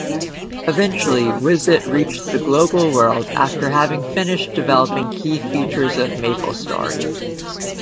Eventually, Wizet reached the global world after having finished developing key features of MapleStory.